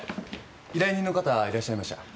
依頼人の方いらっしゃいました。